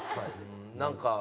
何か。